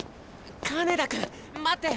金田君待って！